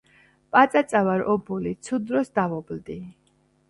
პაწაწა ვარ ობოლი ცუდ დროს დავობლდი